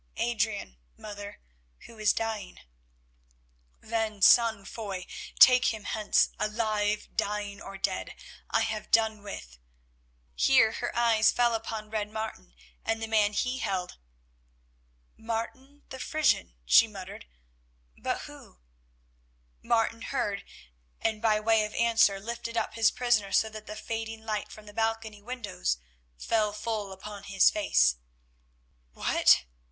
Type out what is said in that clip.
"Adrian, mother, who is dying." "Then, son Foy, take him hence; alive, dying, or dead, I have done with——" Here her eyes fell upon Red Martin and the man he held, "Martin the Frisian," she muttered, "but who——" Martin heard, and by way of answer lifted up his prisoner so that the fading light from the balcony windows fell full upon his face. "What!"